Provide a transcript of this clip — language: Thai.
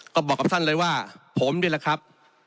ก็บอกกับท่านเลยว่าผมนี่แหละครับ